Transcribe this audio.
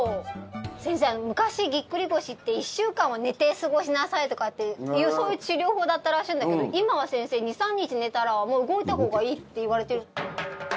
先生、昔、ぎっくり腰って１週間は寝て過ごしなさいとかっていう治療法だったらしいんだけど今は先生、２３日寝たら動いたほうがいいっていわれているんですか？